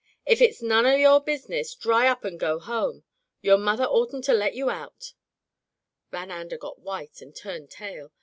*If it's none of your business, dry up an' go home! Your mother oughtn't to let you out.' Van Ander got white and turned tail.